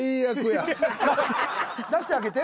出してあげて。